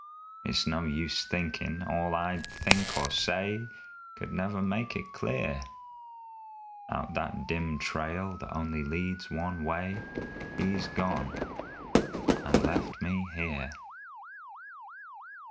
It's no use thinkin' all I'd think or say Could never make it clear. Out that dim trail that only leads one way He's gone and left me here!